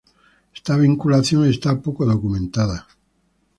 Esta vinculación está poco documentada.